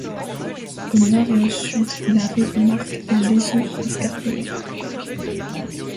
Au nord et au sud, la rive marque un léger escarpement.